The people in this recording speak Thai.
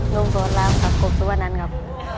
ลุงสวรรมครับกบสุวรรณันครับ